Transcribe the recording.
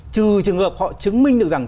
trừ trường hợp họ chứng minh được rằng